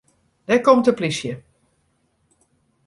Dêr komt de plysje.